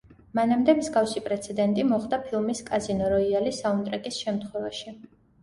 მანამდე მსგავსი პრეცედენტი მოხდა ფილმის „კაზინო როიალი“ საუნდტრეკის შემთხვევაში.